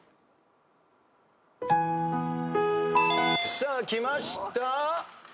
さあきました。